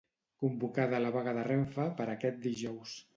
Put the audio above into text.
Convocada la vaga de Renfe per a aquest dijous.